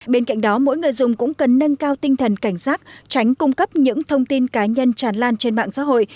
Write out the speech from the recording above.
bên cạnh đó mỗi người dùng cũng cần nâng cao tinh thần cảnh giác tránh cung cấp những thông tin cá nhân tràn lan trên mạng xã hội